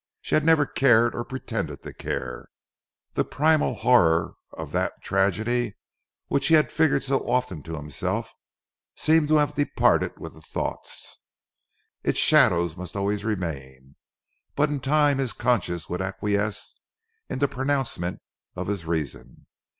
She had never cared or pretended to care. The primal horror of that tragedy which he had figured so often to himself, seemed to have departed with the thought. Its shadow must always remain, but in time his conscience would acquiesce in the pronouncement of his reason.